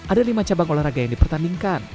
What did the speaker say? ada lima cabang olahraga yang dipertandingkan